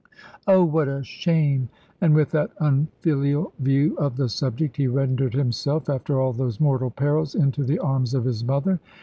"Oh, what a shame!" And with that unfilial view of the subject, he rendered himself, after all those mortal perils, into the arms of his mother.